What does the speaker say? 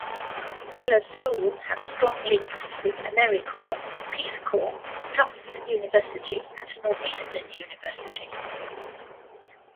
Heller School has strong links with AmeriCorps, Peace Corps, Tufts University and Northeastern University.